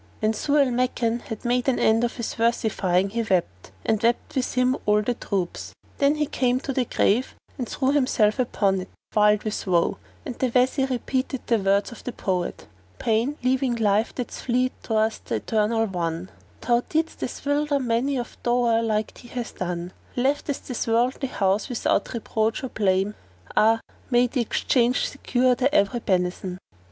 When Zau al Makan had made an end of his versifying he wept and wept with him all the troops; then he came to the grave and threw himself upon it wild with woe, and the Wazir repeated the words of the poet, "Pain leaving life that fleets thou hast th' eternal won; * Thou didst as whilom many a doer like thee hath done Leftest this worldly house without reproach or blame; * Ah, may th' ex change secure thee every benison!